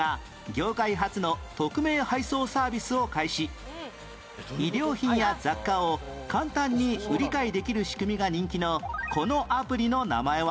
７年前衣料品や雑貨を簡単に売り買いできる仕組みが人気のこのアプリの名前は？